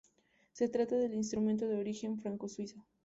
Se trata de un instrumento de origen franco-suizo.